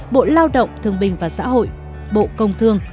bộ lao động thương bình và xã hội bộ công thương